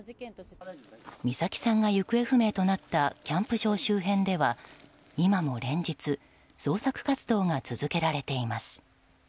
美咲さんが行方不明となったキャンプ場周辺では今も連日、捜索活動が続けられています。